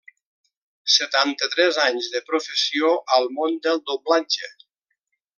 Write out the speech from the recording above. Setanta-tres anys de professió al món del doblatge.